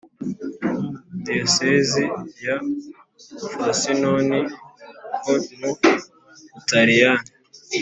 diyosezi ya frosinoni ho mu butaliyani